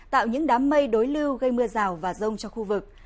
tạo những đám mây đối lưu gây mưa rào và rông cho khu vực